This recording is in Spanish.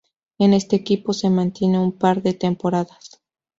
En este equipo se mantiene un par de temporadas.